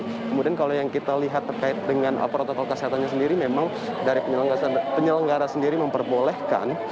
kemudian kalau yang kita lihat terkait dengan protokol kesehatannya sendiri memang dari penyelenggara sendiri memperbolehkan